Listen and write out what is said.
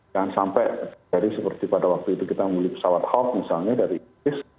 dan sampai dari seperti pada waktu itu kita membeli pesawat hawk misalnya dari inggris